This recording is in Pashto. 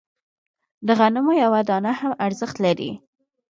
د غنمو یوه دانه هم ارزښت لري.